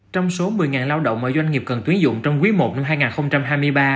trong số một mươi lao động mà doanh nghiệp cần tuyến dụng trong quý i năm hai nghìn hai mươi ba